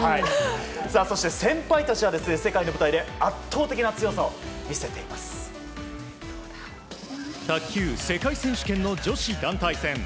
そして、先輩たちは世界の舞台で圧倒的な強さを卓球世界選手権の女子団体戦。